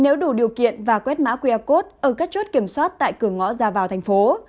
nếu đủ điều kiện và quét mã qr code ở các chốt kiểm soát tại cửa ngõ ra vào thành phố